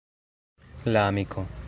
La amiko.